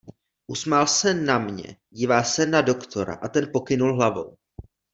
Usmál se na mě, dívá se na doktora a ten pokynul hlavou.